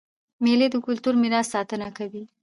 مېلې د کلتوري میراث ساتنه کوي.